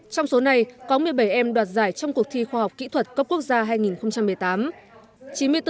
trong số này có một mươi bảy em đoạt giải trong cuộc thi khoa học kỹ thuật cấp quốc gia hai nghìn một mươi tám